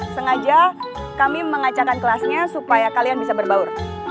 sengaja kami mengacahkan kelasnya supaya kalian bisa berbaur